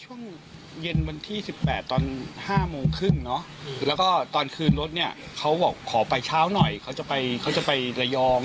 ช่วงเย็นวันที่๑๘ตอน๕โมงครึ่งเนาะแล้วก็ตอนคืนรถเนี่ยเขาบอกขอไปเช้าหน่อยเขาจะไปเขาจะไประยอง